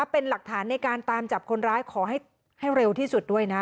เป็นหลักฐานในการตามจับคนร้ายขอให้เร็วที่สุดด้วยนะ